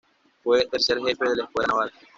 Fue tercer jefe de la Escuela Naval.